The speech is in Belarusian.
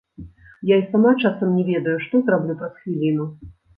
Я і сама часам не ведаю, што зраблю праз хвіліну.